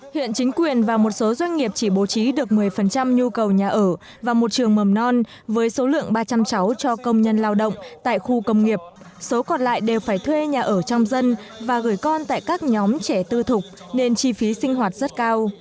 hiện chính quyền và một số doanh nghiệp chỉ bố trí được một mươi nhu cầu nhà ở và một trường mầm non với số lượng ba trăm linh cháu cho công nhân lao động tại khu công nghiệp số còn lại đều phải thuê nhà ở trong dân và gửi con tại các nhóm trẻ tư thục nên chi phí sinh hoạt rất cao